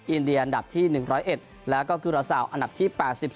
อินเดียอันดับที่๑๐๑แล้วก็กุราสาวอันดับที่๘๔